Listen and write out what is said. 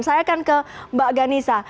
saya akan ke mbak ghanisa